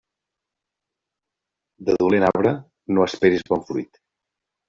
De dolent arbre, no esperis bon fruit.